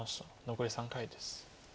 残り３回です。